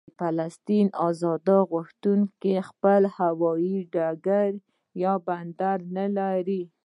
د فلسطین ازادي غوښتونکي خپل هوايي ډګر یا بندر نه لري.